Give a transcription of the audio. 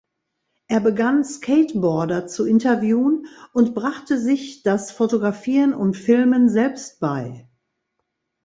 Er begann Skateboarder zu interviewen und brachte sich das Fotografieren und Filmen selbst bei.